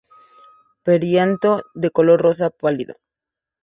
Perianto de color rosa pálido.